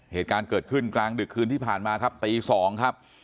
เหตุการณ์เกิดขึ้นกลางดึกคืนที่ผ่านมาครับตี๒ครับ